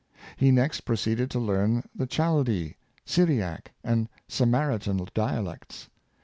He next proceeded to learn the Chaldee, Syriac, and Samaritan dialects.